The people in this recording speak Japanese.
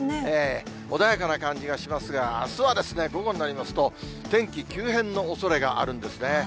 穏やかな感じがしますが、あすはですね、午後になりますと、天気急変のおそれがあるんですね。